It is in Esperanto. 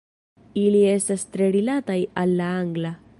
Ili estas tre rilataj al la angla.